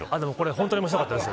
ほんとに面白かったです。